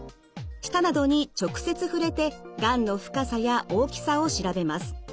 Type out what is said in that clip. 舌などに直接触れてがんの深さや大きさを調べます。